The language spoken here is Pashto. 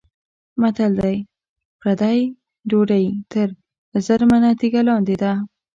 متل دی: پردۍ ډوډۍ تر زرمنه تیږه لاندې ده.